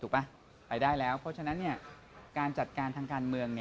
ไปได้แล้วเพราะฉะนั้นการจัดการทางการเมือง